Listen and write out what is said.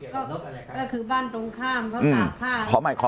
ก็คือบ้านตรงข้ามเขาตากผ้า